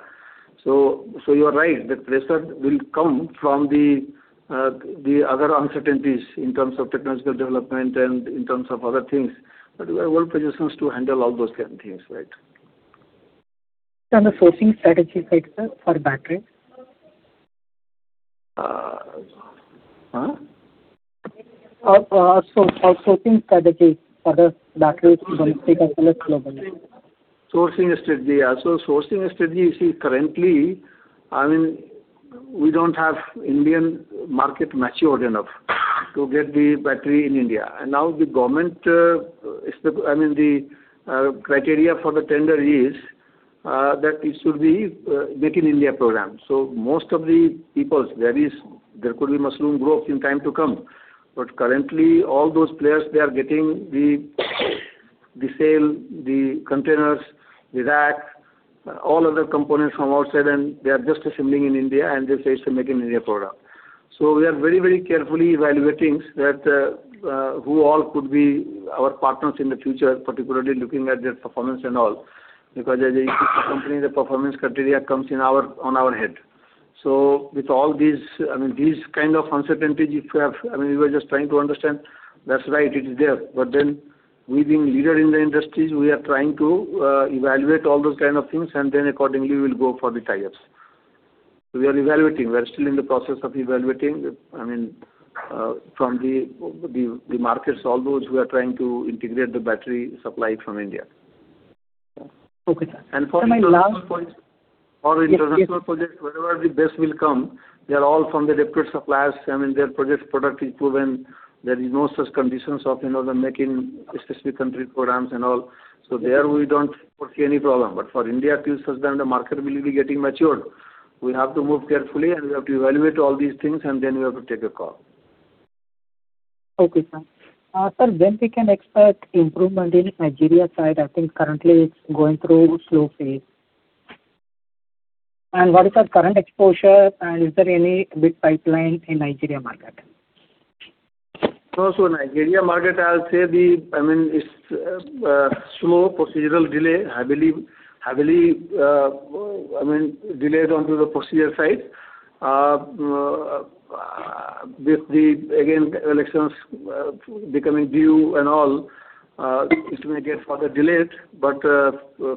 You are right, that pressure will come from the other uncertainties in terms of technological development and in terms of other things, we are well-positioned to handle all those kind of things, right. The sourcing strategy side, sir, for battery? Huh? Our sourcing strategy for the batteries domestically plus globally? Sourcing strategy. Sourcing strategy, you see currently, we don't have Indian market matured enough to get the battery in India. Now the government, the criteria for the tender is that it should be Make in India program. Most of the peoples, there could be mushroom growth in time to come. Currently, all those players, they are getting the cell, the containers, the rack, all other components from outside, and they are just assembling in India, and they say it's a make in India program. We are very carefully evaluating that who all could be our partners in the future, particularly looking at their performance and all. Because as a listed company, the performance criteria comes on our head. With all these kind of uncertainties, you were just trying to understand, that's right, it is there. We being leader in the industries, we are trying to evaluate all those kind of things, and then accordingly, we'll go for the tie-ups. We are evaluating. We're still in the process of evaluating from the markets, all those who are trying to integrate the battery supplied from India. Okay, sir. For international projects wherever the BESS will come, they are all from the reputed suppliers. Their product is proven. There is no such conditions of the making specific country programs and all. There we don't foresee any problem. For India, till such time the market will be getting matured, we have to move carefully, and we have to evaluate all these things, and then we have to take a call. Okay, sir. Sir, when we can expect improvement in Nigeria side? I think currently it's going through slow phase. What is our current exposure and is there any big pipeline in Nigeria market? Nigeria market, I'll say the slow procedural delay. Heavily delays onto the procedure side. With the elections becoming due and all, it may get further delayed.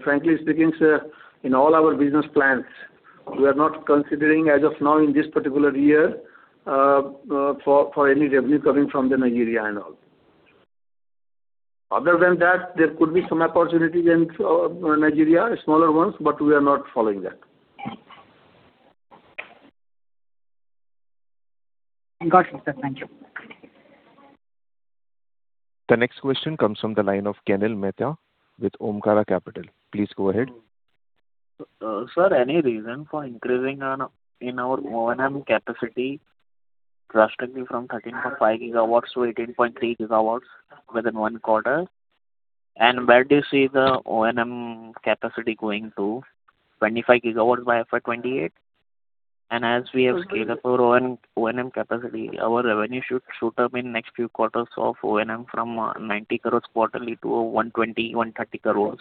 Frankly speaking, sir, in all our business plans, we are not considering as of now in this particular year for any revenue coming from Nigeria and all. Other than that, there could be some opportunities in Nigeria, smaller ones, but we are not following that. Got it, sir. Thank you. The next question comes from the line of Kenil Mehta with Omkara Capital. Please go ahead. Sir, any reason for increasing in our O&M capacity drastically from 13.5 GW-18.3 GW within one quarter? Where do you see the O&M capacity going to? 25 GW by FY 2028? As we have scaled up our O&M capacity, our revenue should shoot up in next few quarters of O&M from 90 crore quarterly to 120 crore-130 crore.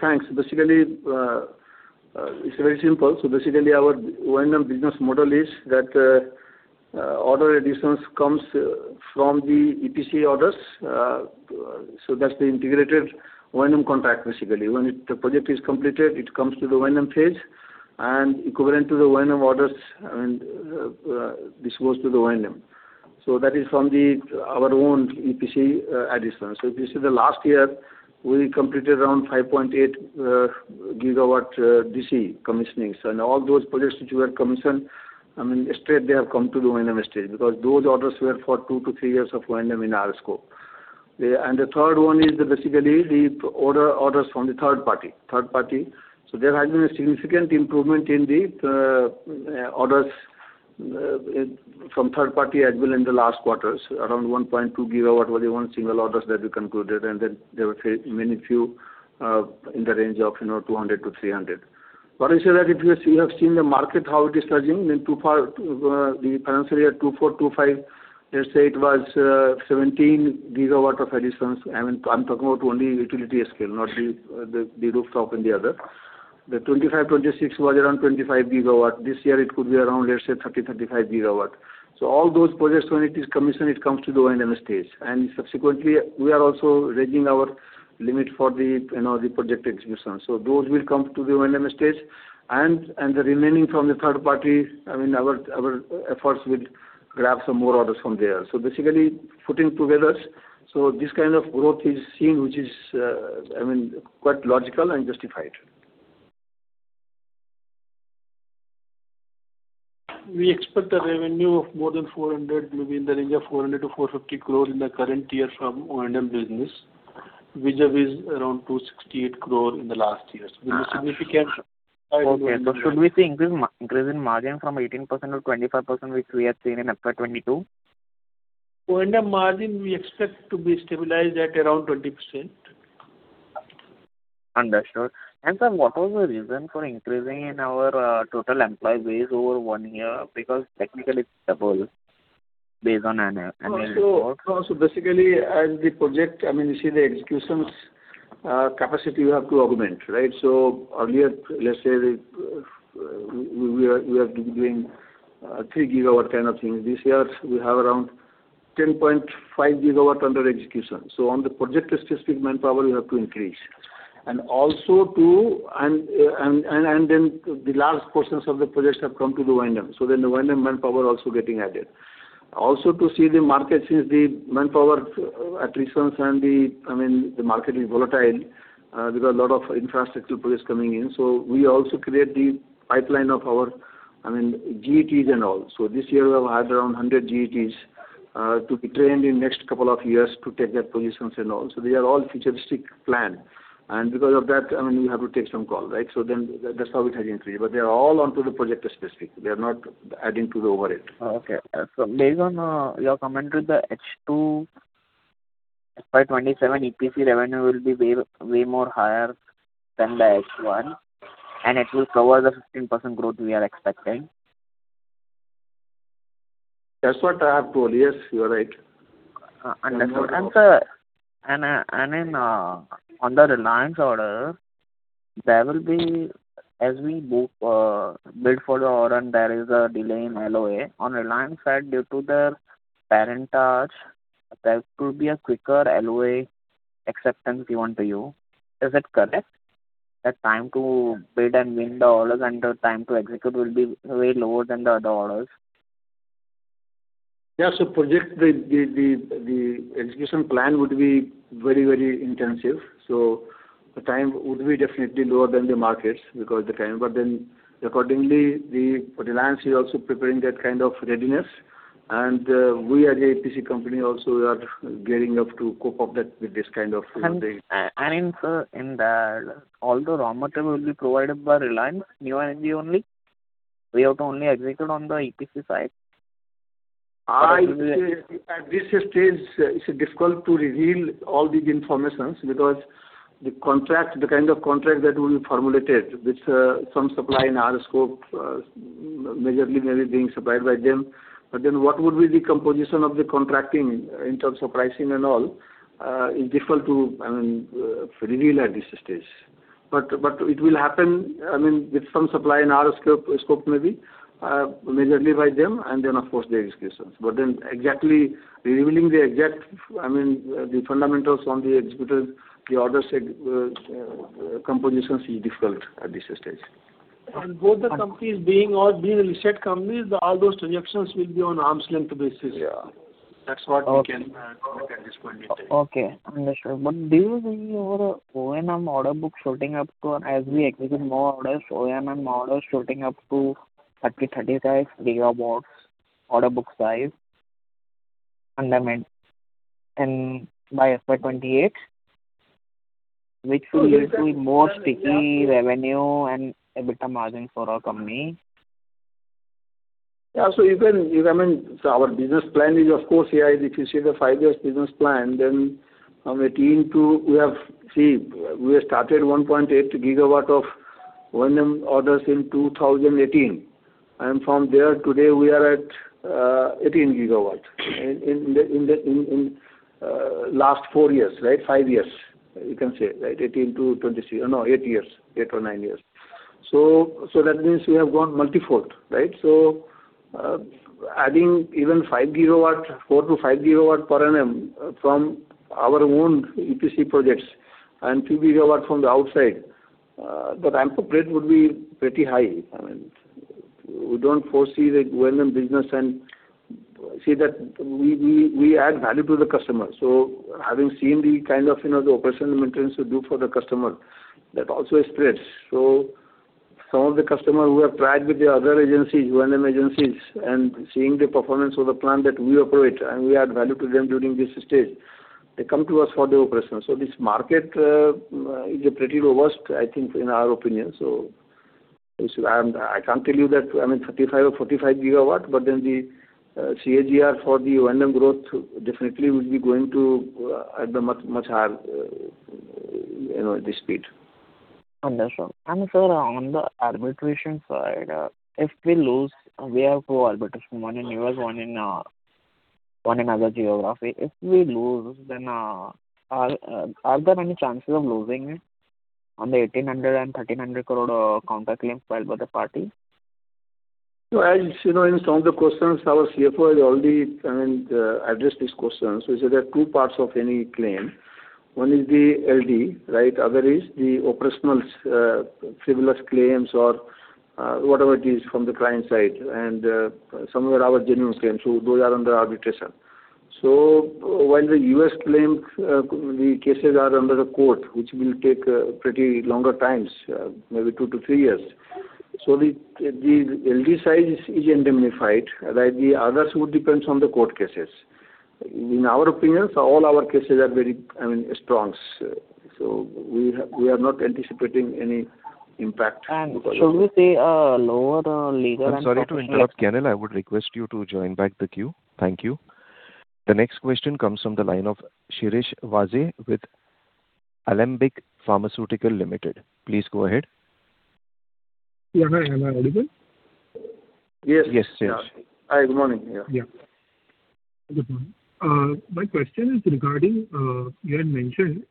Thanks. Basically, it's very simple. Basically, our O&M business model is that order additions comes from the EPC orders. That's the integrated O&M contract, basically. When the project is completed, it comes to the O&M phase and equivalent to the O&M orders, this goes to the O&M. That is from our own EPC additions. If you see the last year, we completed around 5.8 GW DC commissionings. All those projects which were commissioned, straight they have come to the O&M stage because those orders were for two to three years of O&M in our scope. The third one is basically the orders from the third party. There has been a significant improvement in the orders from third party as well in the last quarters, around 1.2 GW was one single order that we concluded, and then there were many few in the range of 200-300. I say that if you have seen the market, how it is surging in the financial year 2024-2025, let's say it was 17 GW of additions. I am talking about only utility scale, not the rooftop and the other. The 2025-2026 was around 25 GW. This year it could be around, let's say 30 GW-35 GW. All those projects when it is commissioned, it comes to the O&M stage. Subsequently, we are also raising our limit for the project execution. Those will come to the O&M stage. The remaining from the third party, our efforts will grab some more orders from there. Basically putting together, this kind of growth is seen, which is quite logical and justified. We expect the revenue of more than 400, maybe in the range of 400 crore-450 crore in the current year from O&M business, which was around 268 crore in the last year. It is significant. Okay. Should we see increase in margin from 18%-25%, which we have seen in FY 2022? O&M margin we expect to be stabilized at around 20%. Understood. Sir, what was the reason for increasing in our total employee base over one year? Because technically it's double. Basically, as the project, you see the executions capacity you have to augment, right? Earlier, let's say we are doing 3 GW kind of thing. This year we have around 10.5 GW under execution. On the project specific manpower, you have to increase. Then the large portions of the projects have come to the O&M. The O&M manpower also getting added. Also to see the market since the manpower attritions and the market is volatile because lot of infrastructure projects coming in. We also create the pipeline of our GETs and all. This year we have hired around 100 GETs, to be trained in next couple of years to take that positions and all. They are all futuristic plan. Because of that, you have to take some call, right? That's how it has increased. They are all onto the project specific. They are not adding to the overhead. Okay. Based on your comment with the H2, FY 2027 EPC revenue will be way more higher than the H1, and it will cover the 15% growth we are expecting. That's what I have told. Yes, you are right. Sir, on the Reliance order, as we bid for the order, there is a delay in LOA. On Reliance side due to their parentage, there could be a quicker LOA acceptance given to you. Is it correct? The time to bid and win the orders and the time to execute will be way lower than the other orders. Yes. Project execution plan would be very intensive. The time would be definitely lower than the markets, because the time. Accordingly, for Reliance, we are also preparing that kind of readiness. We as an EPC company also are gearing up to cope up with this kind of thing. Sir, all the raw material will be provided by Reliance New Energy only? We have to only execute on the EPC side. At this stage, it's difficult to reveal all the information because the kind of contract that will be formulated with some supply in our scope, majorly maybe being supplied by them. What would be the composition of the contracting in terms of pricing and all, is difficult to reveal at this stage. It will happen with some supply in our scope maybe, majorly by them, and then of course the exclusions. Revealing the exact fundamentals on the executed, the order set compositions is difficult at this stage. Both the companies being all set companies, all those transactions will be on arm's length basis. Yeah. That's what we can comment at this point in time. Okay. Understood. Do you think your O&M order book shooting up to, as we execute more orders, O&M orders shooting up to 30 GW, 35 GW order book size fundament and by FY 2028, which will lead to more sticky revenue and EBITDA margins for our company. Our business plan is, of course, if you see the five-year business plan, from 2018. We have started 1.8 GW of O&M orders in 2018. From there, today, we are at 18 GW. In last four or five years, you can say, 2018-2023. No, eight or nine years. That means we have gone multifold, right? Adding even 4 GW-5 GW per annum from our own EPC projects and 2 GW from the outside, the ramp-up rate would be pretty high. We do not foresee the O&M business and see that we add value to the customer. Having seen the kind of the O&M to do for the customer, that also spreads. Some of the customers who have tried with the other agencies, O&M agencies, and seeing the performance of the plant that we operate, and we add value to them during this stage, they come to us for the operations. This market is pretty robust, I think, in our opinion. I cannot tell you that 35 GW or 45 GW, the CAGR for the O&M growth definitely would be going to at the much higher speed. Understood. Sir, on the arbitration side, if we lose, we have two arbitrations, one in U.S., one in other geography. If we lose, are there any chances of losing it on the 1,800 crore and 1,300 crore counterclaims filed by the party? As you know, in some of the questions, our CFO has already addressed these questions. There are two parts of any claim. One is the LD. Other is the operational frivolous claims or whatever it is from the client side, and some are our genuine claims. Those are under arbitration. While the U.S. claims, the cases are under the court, which will take pretty longer times, maybe two to three years. The LD side is indemnified. The others would depend on the court cases. In our opinions, all our cases are very strong. We are not anticipating any impact. Shall we say a lower legal- I'm sorry to interrupt, Kenil. I would request you to join back the queue. Thank you. The next question comes from the line of [Shirish Vaze] with Alembic Pharmaceuticals Limited. Please go ahead. Hi, am I audible? Yes. Yes, Shirish. Hi, good morning. Yeah. Good morning. My question is regarding, you had mentioned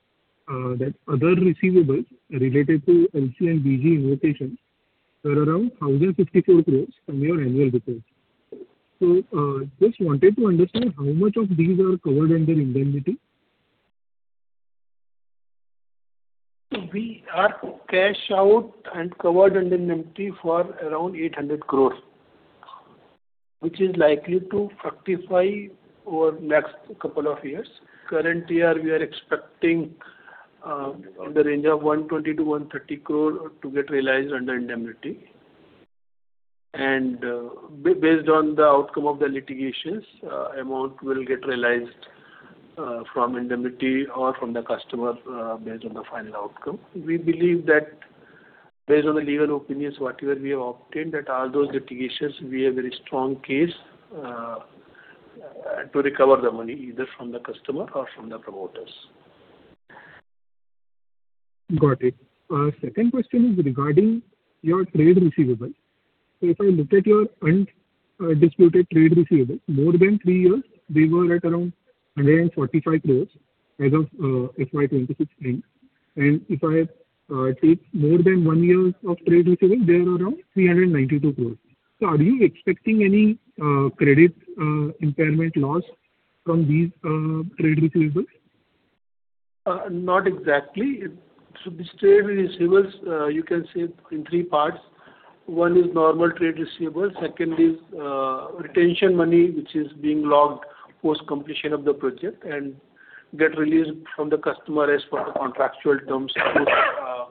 that other receivables related to LC and BG invitations were around 1,064 crore from your annual reports. Just wanted to understand how much of these are covered under indemnity? We are cashed out and covered under indemnity for around 800 crore, which is likely to fructify over next couple of years. Current year, we are expecting in the range of 120 crore-130 crore to get realized under indemnity. Based on the outcome of the litigations, amount will get realized from indemnity or from the customer based on the final outcome. We believe that based on the legal opinions, whatever we have obtained, that all those litigations, we have very strong case to recover the money, either from the customer or from the promoters. Got it. Second question is regarding your trade receivables. If I look at your undisputed trade receivables, more than three years, they were at around 145 crore as of FY 2023. If I take more than one year of trade receivables, they are around 392 crore. Are you expecting any credit impairment loss from these trade receivables? Not exactly. These trade receivables you can see in three parts. One is normal trade receivables. Second is retention money, which is being locked post completion of the project and get released from the customer as per the contractual terms post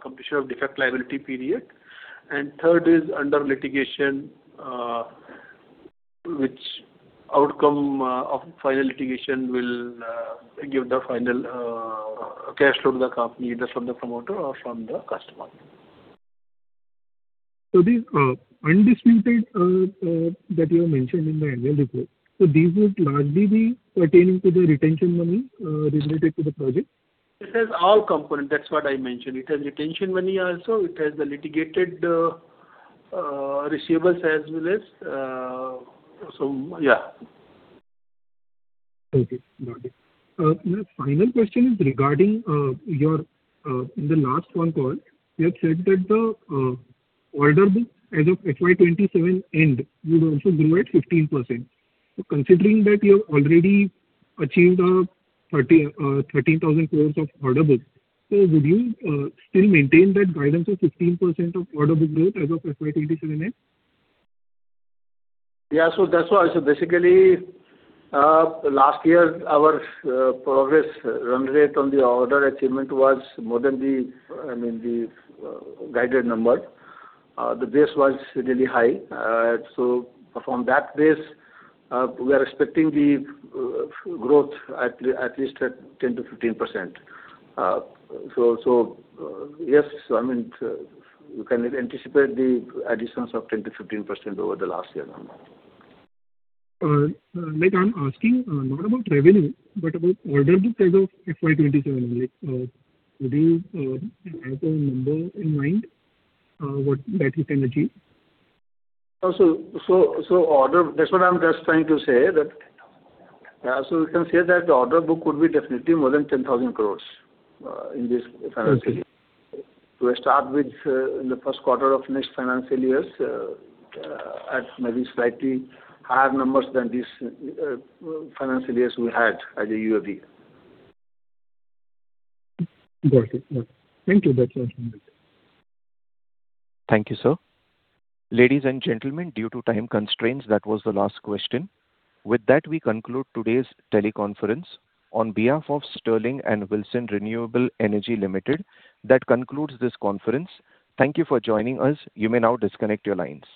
completion of defect liability period. Third is under litigation, which outcome of final litigation will give the final cash flow to the company, either from the promoter or from the customer. These undisputed that you have mentioned in the annual report, these would largely be pertaining to the retention money related to the project. It has all component. That's what I mentioned. It has retention money also. It has the litigated receivables. So yeah. Okay, got it. My final question is regarding your last phone call. You had said that the order book as of FY 2027 end would also grow at 15%. Considering that you've already achieved 13,000 crore of order book, would you still maintain that guidance of 15% of order book growth as of FY 2027 end? That's why. Basically, last year, our progress run rate on the order achievement was more than the guided number. The base was really high. From that base, we are expecting the growth at least at 10%-15%. Yes, you can anticipate the additions of 10%-15% over the last year number. I'm asking not about revenue, but about order book as of FY 2027. Do you have a number in mind what that you can achieve? That's what I'm just trying to say that, we can say that the order book could be definitely more than 10,000 crore in this financial year. To start with, in the first quarter of next financial years, at maybe slightly higher numbers than this financial years we had as a UOV. Got it. Thank you. That's all from my end. Thank you, sir. Ladies and gentlemen, due to time constraints, that was the last question. With that, we conclude today's teleconference on behalf of Sterling and Wilson Renewable Energy Limited. That concludes this conference. Thank you for joining us. You may now disconnect your lines.